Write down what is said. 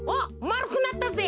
まるくなったぜ！